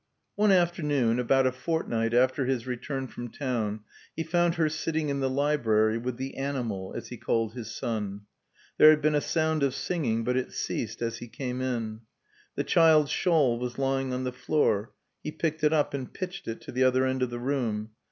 One afternoon, about a fortnight after his return from town, he found her sitting in the library with "the animal," as he called his son. There had been a sound of singing, but it ceased as he came in. The child's shawl was lying on the floor; he picked it up and pitched it to the other end of the room.